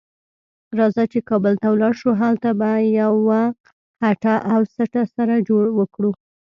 راځه چې کابل ته ولاړ شو؛ هلته به یوه هټه او سټه سره وکړو.